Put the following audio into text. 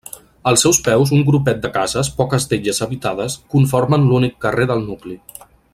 Als seus peus un grupet de cases, poques d'elles habitades, conformen l'únic carrer del nucli.